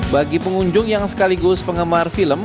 bagi pengunjung yang sekaligus penggemar film